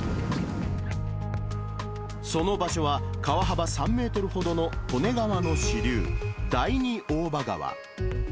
その場所は、川幅３メートルほどの利根川の主流、第二大場川。